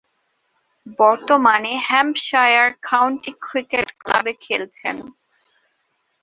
বর্তমানে Hampshire county cricket ক্লাবে খেলছেন।